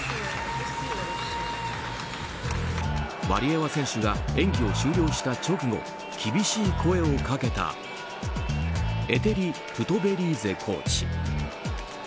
ワリエワ選手が演技を終了した直後厳しい声をかけたエテリ・トゥトベリーゼコーチ。